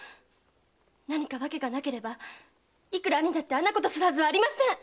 何か訳がなければいくら兄だってあんなことするはずありません！